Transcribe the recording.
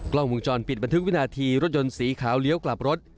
กล้องวงจรปิดบันทึกวินาทีรถยนต์สีขาวเลี้ยวกลับรถ